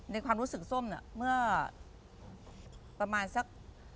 ความรู้สึกส้มน่ะเมื่อประมาณสัก